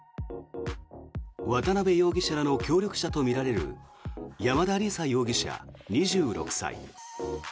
渡邉容疑者らの協力者とみられる山田李沙容疑者、２６歳。